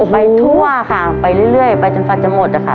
ไปทั่วค่ะไปเรื่อยไปจนฟันจะหมดอะค่ะ